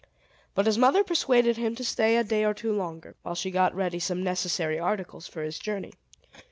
But his mother persuaded him to stay a day or two longer, while she got ready some necessary articles for his journey.